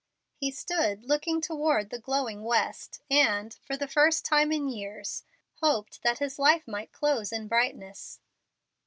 He stood looking toward the glowing west, and, for the first time in years, hoped that his life might close in brightness.